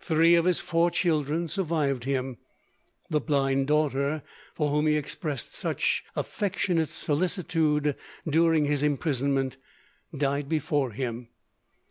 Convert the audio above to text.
Three of his four children survived him; the blind daughter, for whom he expressed such affectionate solicitude during his imprisonment, died before him.